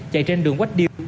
chạy trên đường quách điêu